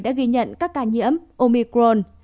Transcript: đã ghi nhận các ca nhiễm omicron